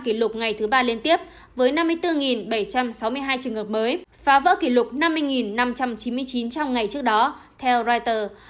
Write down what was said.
kỷ lục ngày thứ ba liên tiếp với năm mươi bốn bảy trăm sáu mươi hai trường hợp mới phá vỡ kỷ lục năm mươi năm trăm chín mươi chín trong ngày trước đó theo reuters